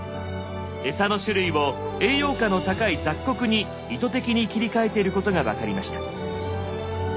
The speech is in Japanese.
餌の種類を栄養価の高い「雑穀」に意図的に切り替えてることが分かりました。